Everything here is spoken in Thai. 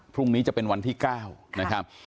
พรุ่งนี้จะเป็นวันที่๙นะครับ